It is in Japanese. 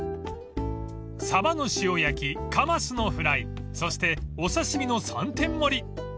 ［サバの塩焼きカマスのフライそしてお刺身の３点盛り］